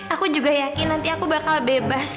aku juga yakin nanti aku bakal bebas